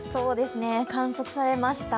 観測されました。